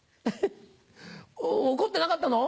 怒ってなかったの？